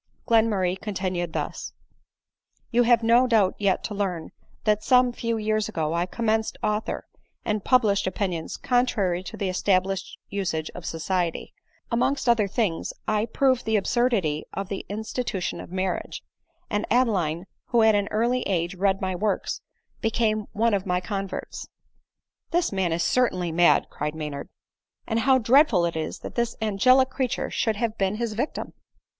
Glenmurray continued thus :" You have no doubt yet to learn, that some few years ago I commenced author, and published opinions contrary to the established usage of society ; amongst other things I proved the absurdity of the institution of marriage ; and Adeline, who at an early age read my works, became one of my converts." " The man is certainly mad," cried Maynard, " and ADELINE MOWBRAY. 89 how dreadful it is that this angelic creature should have been his victim."